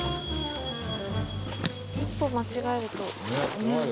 一歩間違えるとね。